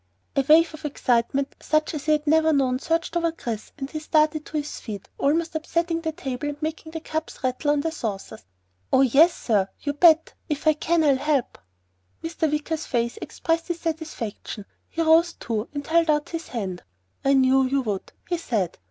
A wave of excitement such as he had never known surged over Chris and he started to his feet, almost upsetting the table and making the cups rattle on their saucers. "Oh, yes sir! You bet! If I can, I'll help!" Mr. Wicker's face expressed his satisfaction. He rose too and held out his hand. "I knew you would," he said.